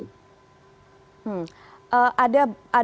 selalu lewat whatsapp dan saling membantu